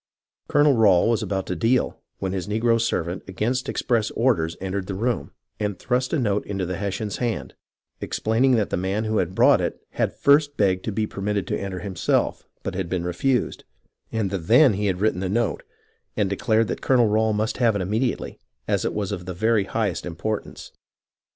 Colonel Rail was about to "deal," when his negro servant, against express orders, entered the room, and thrust a note into the Hessian's hand, explaining that the man who had brought it had first begged to be permitted to enter himself, but had been refused, and that then he had written the note and de clared that Colonel Rail must have it immediately, as it was of the very highest importance.